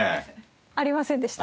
ありませんでした。